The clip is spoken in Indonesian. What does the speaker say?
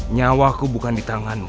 nyawaku bukan di tanganmu